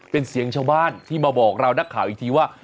เป็นเสียงชาวบ้านที่มาบอกเรานักข่าวอีกทีว่า